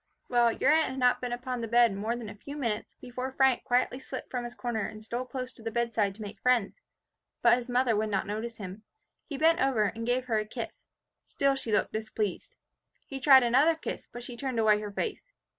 "Well, your aunt had not been upon the bed more than a few minutes, before Frank quietly slipped from his corner and stole close to the bedside to make friends. But his mother would not notice him. He bent over and gave her a kiss. Still she looked displeased. He tried another kiss, but she turned away her face.